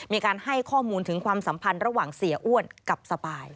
มีการให้ข้อมูลถึงความสัมพันธ์ระหว่างเสียอ้วนกับสปาย